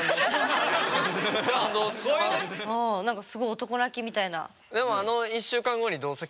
何かすごい男泣きみたいな。